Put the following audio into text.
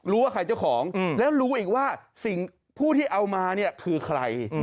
ว่าใครเจ้าของแล้วรู้อีกว่าสิ่งผู้ที่เอามาเนี่ยคือใคร